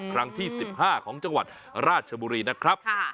ครั้งที่๑๕ของจังหวัดราชบุรีนะครับ